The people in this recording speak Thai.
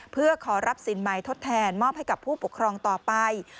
เพื่อขอรับสินใหม่ทดแทนมอบให้กับผู้ปกครองต่อไป